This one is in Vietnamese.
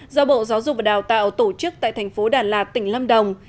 do bộ giáo dục và đào tạo tổ chức tại thành phố đà lạt tỉnh lâm đồng